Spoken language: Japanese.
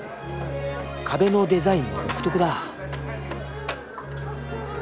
壁のデザインも独特だ。